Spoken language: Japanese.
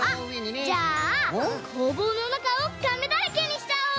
あっじゃあこうぼうのなかをカメだらけにしちゃおう！